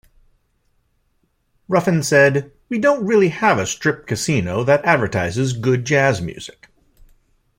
Ruffin said, We don't really have a Strip casino that advertises good jazz music.